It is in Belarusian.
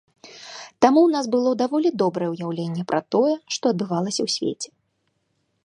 Таму ў нас было даволі добрае ўяўленне пра тое, што адбывалася ў свеце.